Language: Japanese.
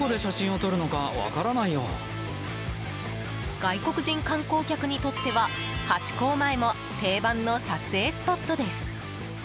外国人観光客にとってはハチ公前も定番の撮影スポットです。